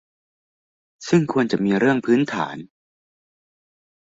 ซึ่งควรจะมีเรื่องพื้นฐาน